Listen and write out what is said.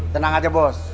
tenang aja bos